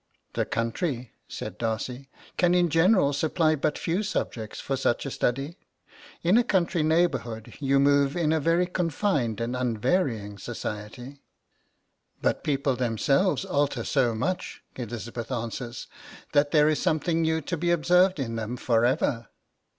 'The country,' said Darcy, 'can in general supply but few subjects for such a study. In a country neighbourhood you move in a very confined and unvarying society.' 'But people themselves alter so much,' Elizabeth answers, 'that there is something new to be observed in them for ever.'